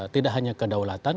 tidak hanya kedaulatan